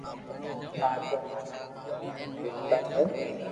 ھاتوا رو نوم ببتا ھي